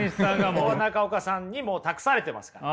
ここは中岡さんにもう託されてますから。